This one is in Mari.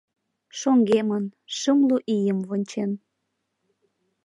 Шоҥгемын, шымлу ийым вончен.